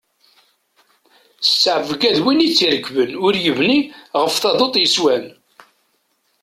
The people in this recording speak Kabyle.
S ttɛebga d win tt-irekben, ur yebni ɣef taḍuṭ yeswan.